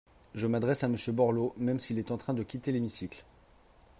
Je m’adresse à Monsieur Borloo, même s’il est en train de quitter l’hémicycle.